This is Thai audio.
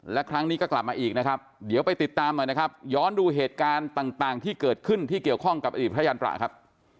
และครั้งนี้ก็กลับมาอีกนะครับเดี๋ยวไปติดตามหน่อยนะครับย้อนดูเหตุการณ์ต่างที่เกิดขึ้นที่เกี่ยวข้องกับอดีตพระยันตระครับ